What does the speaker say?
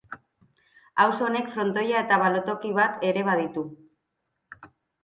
Auzo honek frontoia eta bolatoki bat ere baditu.